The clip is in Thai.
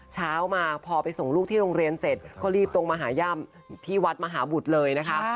เช้ามาพอไปส่งลูกที่โรงเรียนเสร็จก็รีบตรงมาหาย่ำที่วัดมหาบุตรเลยนะคะ